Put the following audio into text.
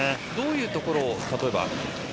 どういうところを例えば。